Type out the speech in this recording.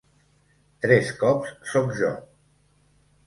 Tres cops sóc jo.